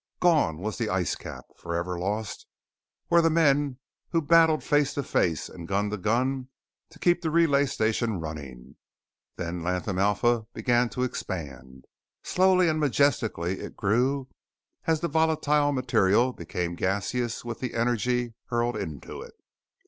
Gone was the ice cap. Forever lost were the men who battled face to face and gun to gun to keep the Relay Station running. Then Latham Alpha began to expand. Slowly and majestically it grew, as the volatile material became gaseous with the energy hurled into it.